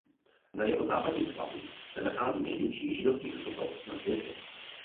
Na jeho západním svahu se nachází největší židovský hřbitov na světě.